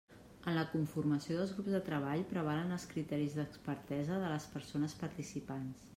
En la conformació dels grups de treball prevalen els criteris d'expertesa de les persones participants.